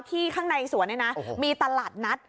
ข้างในสวนเนี่ยนะมีตลาดนัด